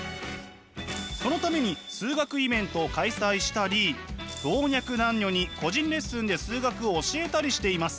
そのために数学イベントを開催したり老若男女に個人レッスンで数学を教えたりしています。